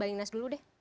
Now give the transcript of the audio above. bang inas dulu deh